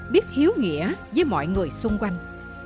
biết hiếu nghĩa với mọi người xung quanh